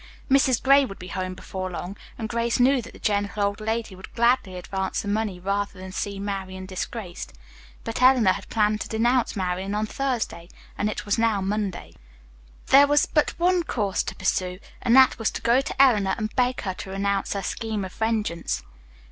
Mrs. Gray would be home before long, and Grace knew that the gentle old lady would gladly advance the money rather than see Marian disgraced. But Eleanor had planned to denounce Marian on Thursday, and it was now Monday. There was but one course to pursue, and that was to go to Eleanor and beg her to renounce her scheme of vengeance.